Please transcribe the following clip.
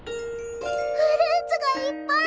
フルーツがいっぱい！